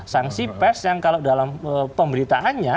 sanksi pers yang kalau dalam pemberitaannya